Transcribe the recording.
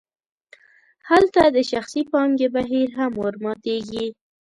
هلته د شخصي پانګې بهیر هم ورماتیږي.